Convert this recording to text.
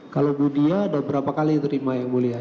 kalau ibu dia ada berapa kali yang terima yang mulia